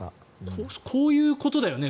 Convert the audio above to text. こういうことだよね？